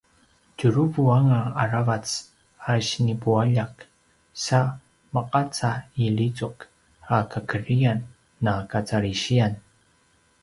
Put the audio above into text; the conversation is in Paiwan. tjuruvu anga aravac a sinipualjak sa meqaca i lizuk a kakedriyan na kacalisiyan